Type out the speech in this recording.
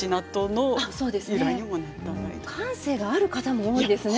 感性がある方も多いですね